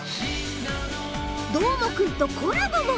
どーもくんとコラボも！